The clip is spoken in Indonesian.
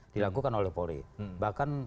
dilakukan oleh polri bahkan